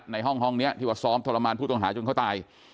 ในห้องนี้ที่ว่าซ้อมทรมานผู้ต้องหาจนเขาตาย